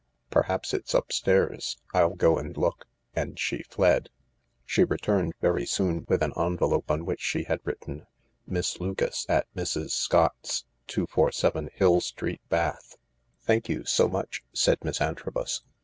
" Perhaps it's upstairs— I'll go and look," and she fled. She returned very soon with an envelope on which she had written :" Miss Lucas, at Mrs. Scott's, 247, Hill Street, Bath. "Thank you so much," said Miss Antrobus.